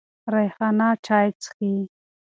ریحانه چای څکې.